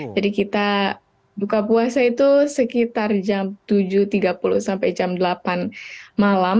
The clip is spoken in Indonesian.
jadi kita buka puasa itu sekitar jam tujuh tiga puluh sampai jam delapan malam